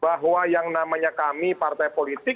bahwa yang namanya kami partai politik